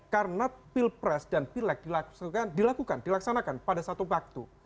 karena pil pres dan pilek dilakukan dilaksanakan pada satu waktu